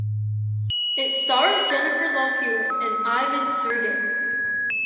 It stars Jennifer Love Hewitt and Ivan Sergei.